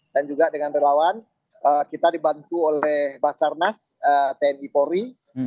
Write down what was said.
dan juga dengan relawan kita dibantu oleh basarnas tni polri